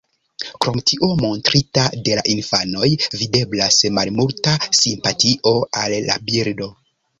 Krom tiu montrita de la infanoj, videblas malmulta simpatio al la birdo.